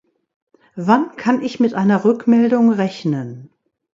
Wann kann ich mit einer Rückmeldung rechnen?